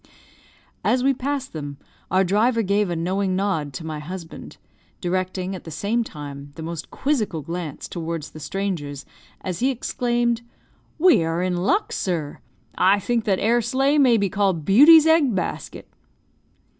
As we passed them, our driver gave a knowing nod to my husband, directing, at the same time, the most quizzical glance towards the strangers, as he exclaimed, "We are in luck, sir! I think that 'ere sleigh may be called Beauty's egg basket!"